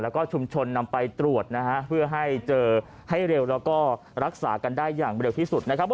แล้วก็ชุมชนนำไปตรวจนะฮะเพื่อให้เจอให้เร็วแล้วก็รักษากันได้อย่างเร็วที่สุดนะครับ